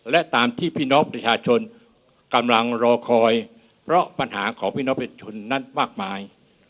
และตามที่พี่น้องประชาชนกำลังรอคอยเพราะปัญหาของพี่น้องประชาชนนั้นมากมาย